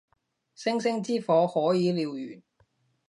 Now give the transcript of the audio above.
星星之火可以燎原